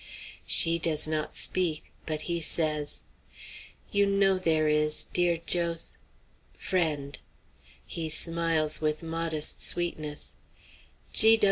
She does not speak; but he says: "You know there is, dear Jos friend!" He smiles with modest sweetness.